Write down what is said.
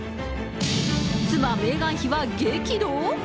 妻、メーガン妃は激怒？